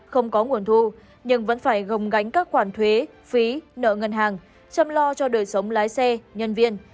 không có nguồn thu nhưng vẫn phải gồng gánh các khoản thuế phí nợ ngân hàng chăm lo cho đời sống lái xe nhân viên